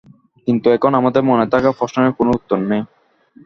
কিন্তু এখন আমাদের মনে থাকা প্রশ্নেরই কোনো উত্তর নেই।